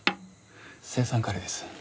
青酸カリです。